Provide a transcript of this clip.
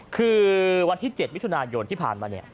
คือวันที่๗วิทยุนายนที่ผ่านมา